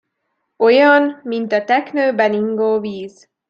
Olyan, mint a teknőben ingó víz.